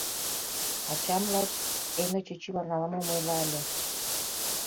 Ачам лач Эйно чӱчӱлан ала-мом ойла ыле.